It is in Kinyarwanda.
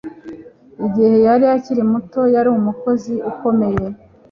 Igihe yari akiri muto yari umukozi ukomeye